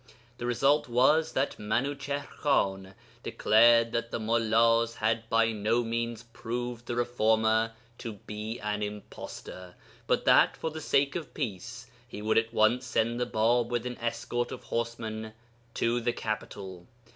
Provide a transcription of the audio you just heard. The result was that Minuchihr Khan declared that the mullās had by no means proved the reformer to be an impostor, but that for the sake of peace he would at once send the Bāb with an escort of horsemen to the capital.